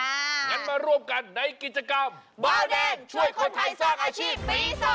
อย่างนั้นมาร่วมกันในกิจกรรม